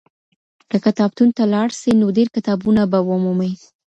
که کتابتون ته لاړ سې نو ډېر کتابونه به ومومې.